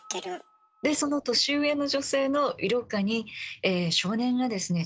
でその年上の女性の色香に少年がですね